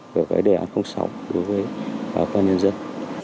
của cái đề án sáu đối với bà con nhân dân